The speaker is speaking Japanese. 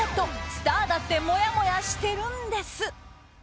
スターだってもやもやしてるんです！